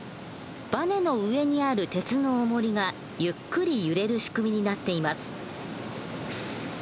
ばねの上にある鉄のおもりがゆっくり揺れる仕組みになっています。